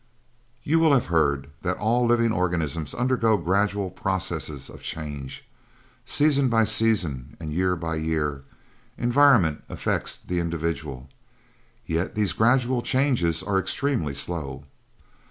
You will have heard that all living organisms undergo gradual processes of change. Season by season and year by year, environment affects the individual; yet these gradual changes are extremely slow.